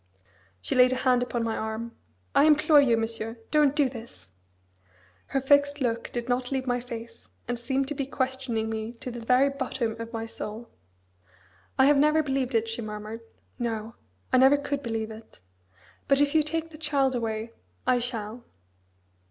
She laid a hand upon my arm: "I implore you, Monsieur, don't do this!" Her fixed look did not leave my face, and seemed to be questioning me to the very bottom of my soul. "I have never believed it," she murmured, "No! I never could believe it. But if you take the child away I shall."